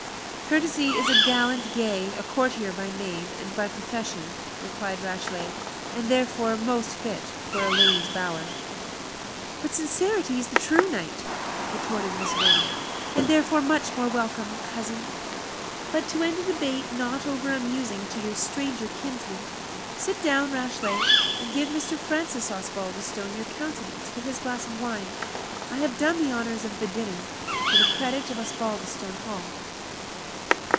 "Courtesy is a gallant gay, a courtier by name and by profession," replied Rashleigh, "and therefore most fit for a lady's bower." "But Sincerity is the true knight," retorted Miss Vernon, "and therefore much more welcome, cousin. But to end a debate not over amusing to your stranger kinsman, sit down, Rashleigh, and give Mr. Francis Osbaldistone your countenance to his glass of wine. I have done the honours of the dinner, for the credit of Osbaldistone Hall."